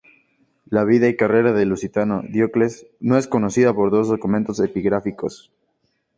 La vida y carrera del lusitano Diocles nos es conocida por dos documentos epigráficos.